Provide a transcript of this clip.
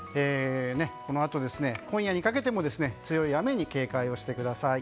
このあと今夜にかけても強い雨に警戒してください。